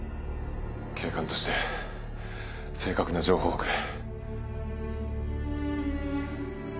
警官として正確な情報をくれ。